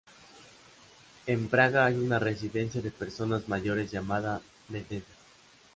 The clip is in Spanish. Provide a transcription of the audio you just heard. En Praga hay una residencia de personas mayores llamada Bethesda.